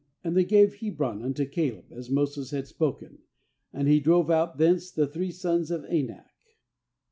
20And they gave Hebron unto Caleb, as Moses had spoken; and he drove out thence the three sons of Anak.